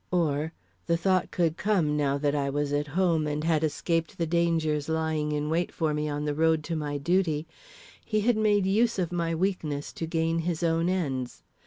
Or the thought could come now that I was at home, and had escaped the dangers lying in wait for me on the road to my duty he had made use of my weakness to gain his own ends.